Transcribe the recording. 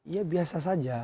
ya biasa saja